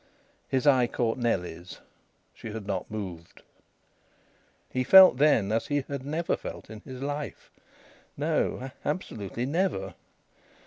His eye caught Nellie's. She had not moved. He felt then as he had never felt in his life. No, absolutely never.